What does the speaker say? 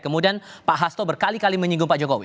kemudian pak hasto berkali kali menyinggung pak jokowi